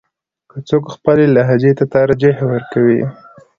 که څوک خپلې لهجې ته ترجیح ورکوي.